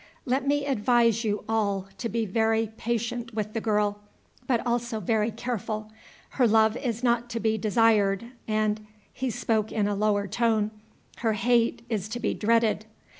Let me advise you all to be very patient with the girl, but also very careful. Her love is not to be desired, and " he spoke in a lower tone "her hate is to be dreaded.